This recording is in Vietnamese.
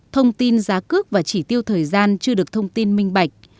thông tin giá cước và chỉ tiêu thời gian chưa được thông tin minh bạch